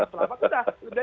selama selama itu sudah